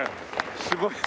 すごい。